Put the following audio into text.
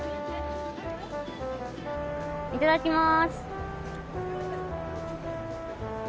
いただきます。